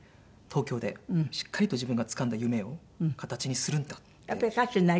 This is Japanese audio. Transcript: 東京でしっかりと自分がつかんだ夢を形にするんだって。